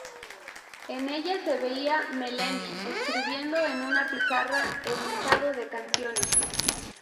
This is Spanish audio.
En ella se veía Melendi escribiendo en una pizarra el listado de canciones.